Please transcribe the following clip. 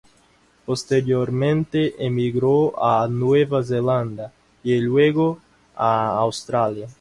Posteriormente emigró a Nueva Zelanda y luego, a Australia.